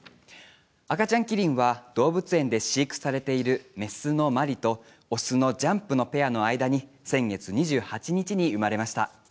赤ちゃんキリンは、動物園で飼育されている雌の「マリ」と雄の「ジャンプ」の間に先月２８日に生まれました。